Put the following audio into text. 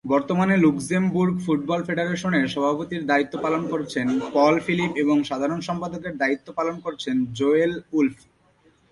বর্তমানে Luxembourg football ফেডারেশনের সভাপতির দায়িত্ব পালন করছেন পল ফিলিপ এবং সাধারণ সম্পাদকের দায়িত্ব পালন করছেন জোয়েল উলফ।